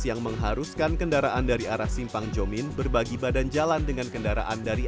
yang mengharuskan kendaraan dari arah simpang jomin berbagi badan jalan dengan kendaraan dari